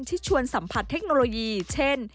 ที่ชวนสัมผัสเทคโนโลยีเช่น